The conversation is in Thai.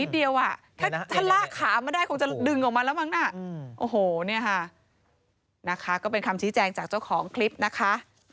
เดี๋ยวนี้ใครคิดว่า